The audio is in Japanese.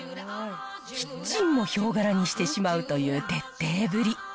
キッチンもヒョウ柄にしてしまうという徹底ぶり。